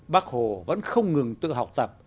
bác hồ vẫn không ngừng tự học tập